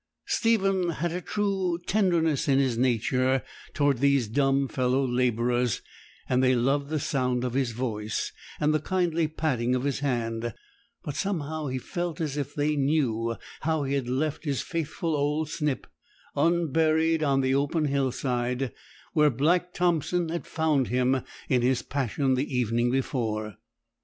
Stephen had a true tenderness in his nature towards these dumb fellow labourers, and they loved the sound of his voice, and the kindly patting of his hand; but somehow he felt as if they knew how he had left his faithful old Snip unburied on the open hillside, where Black Thompson had found him in his passion the evening before.